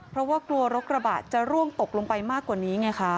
เพราะว่ากลัวรถกระบะจะร่วงตกลงไปมากกว่านี้ไงคะ